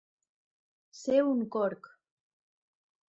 Ser un corc.